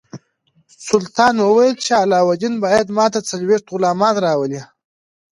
سلطان وویل چې علاوالدین باید ماته څلوېښت غلامان راولي.